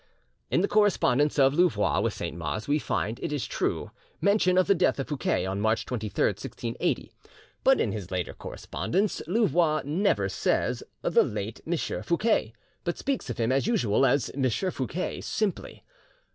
In the correspondence of Louvois with Saint Mars we find, it is true, mention of the death of Fouquet on March 23rd, 1680, but in his later correspondence Louvois never says "the late M. Fouquet," but speaks of him, as usual, as "M. Fouquet" simply.